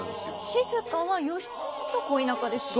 静は義経と恋仲ですよね。